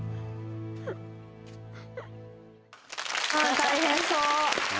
大変そう。